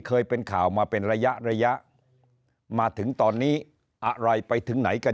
เคยเป็นข่าวมาเป็นระยะระยะมาถึงตอนนี้อะไรไปถึงไหนกัน